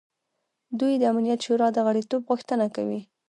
دوی د امنیت شورا د غړیتوب غوښتنه کوي.